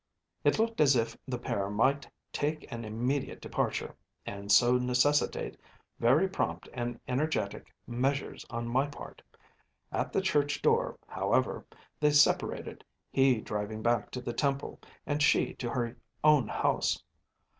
It looked as if the pair might take an immediate departure, and so necessitate very prompt and energetic measures on my part. At the church door, however, they separated, he driving back to the Temple, and she to her own house.